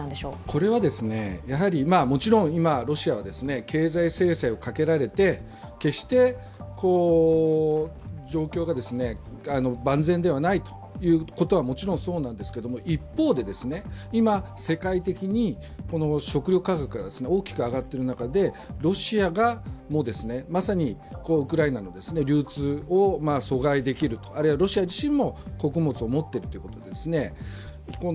これは、もちろん今ロシアは経済制裁をかけられて決して状況が万全ではないということはもちろんそうなんですけど一方で、今、世界的に食料価格が大きく上がっている中でロシアもまさにウクライナの流通を阻害できるとあるいはロシア自身も穀物を持っているということですね。